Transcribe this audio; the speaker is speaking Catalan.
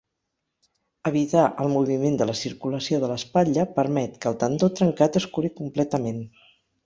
Evitar el moviment de l'articulació de l'espatlla permet que el tendó trencat es curi completament.